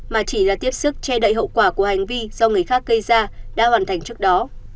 mà chỉ là tiếp sức che đậy hậu quả của hành vi do người khác gây ra đã hoàn thành trước đó